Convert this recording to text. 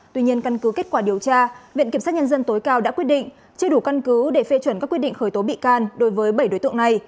tuy nhiên căn cứ kết quả điều tra viện kiểm sát nhân dân tối cao đã quyết định chưa đủ căn cứ để phê chuẩn các quyết định khởi tố bị can đối với bảy đối tượng này